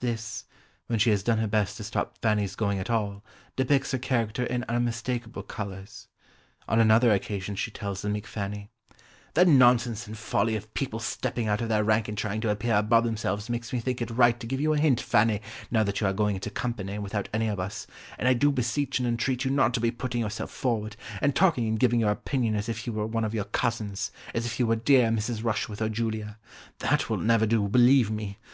This, when she has done her best to stop Fanny's going at all, depicts her character in unmistakable colours. On another occasion she tells the meek Fanny, "The nonsense and folly of people's stepping out of their rank and trying to appear above themselves makes me think it right to give you a hint, Fanny, now that you are going into company without any of us, and I do beseech and entreat you not to be putting yourself forward, and talking and giving your opinion as if you were one of your cousins, as if you were dear Mrs. Rushworth or Julia. That will never do, believe me.